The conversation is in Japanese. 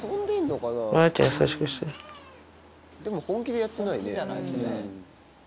でも本気でやってないね。